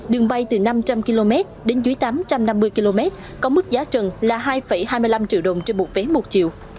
đường bay từ năm trăm linh km đến dưới tám trăm năm mươi km có mức giá trần là hai hai mươi năm triệu đồng trên một vé một chiều